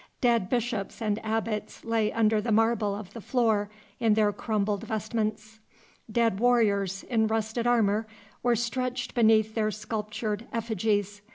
Dead bishops and abbots lay under the marble of the floor in their crumbled vestments; dead warriors, in rusted armor, were stretched beneath their sculptured effigies.